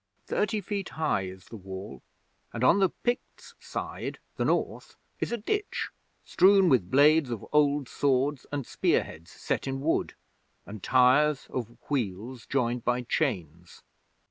Thirty feet high is the Wall, and on the Picts' side, the North, is a ditch, strewn with blades of old swords and spear heads set in wood, and tyres of wheels joined by chains.